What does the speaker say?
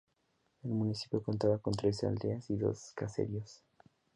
El municipio contaba con trece aldeas y dos caseríos.